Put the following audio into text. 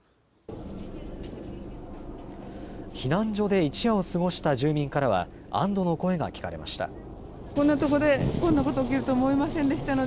避難所で一夜を過ごした住民からは安どの声が聞かれました。